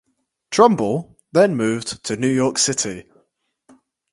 Trumbull then moved to New York City.